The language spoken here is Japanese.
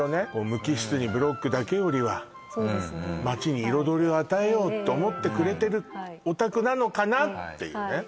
無機質にブロックだけよりはそうですねって思ってくれてるお宅なのかなっていうね